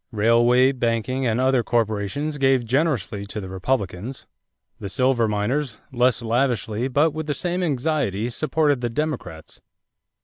Railway, banking, and other corporations gave generously to the Republicans; the silver miners, less lavishly but with the same anxiety, supported the Democrats.